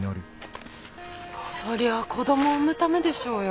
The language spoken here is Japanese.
そりゃあ子供産むためでしょうよ。